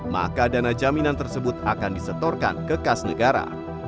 maka dana jaminan tersebut akan disetorkan kekas negara